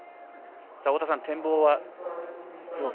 太田さん、展望は？